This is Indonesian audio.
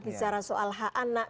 bicara soal h anak